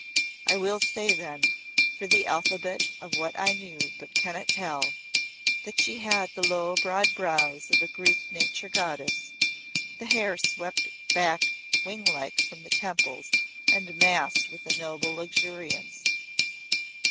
I will say then, for the alphabet of what I knew but cannot tell, that she had the low broad brows of a Greek Nature Goddess, the hair swept back wing like from the temples and massed with a noble luxuriance.